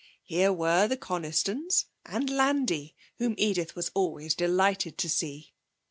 Here were the Conistons, and Landi, whom Edith was always delighted to see.